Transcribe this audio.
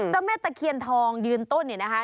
แม่ตะเคียนทองยืนต้นเนี่ยนะคะ